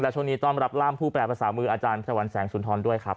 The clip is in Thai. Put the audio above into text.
ช่วงนี้ต้อนรับร่ามผู้แปลภาษามืออาจารย์พระวันแสงสุนทรด้วยครับ